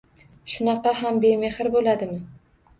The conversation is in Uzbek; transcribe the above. Shunaqa ham bemehr bo'ladimi?